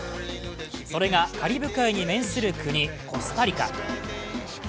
それが、カリブ海に面する国、コスタリカ。